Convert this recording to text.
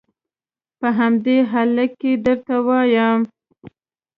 په همدې هلکه یې درته وایم.